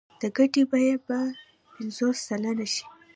د ګټې بیه به پنځوس سلنه شي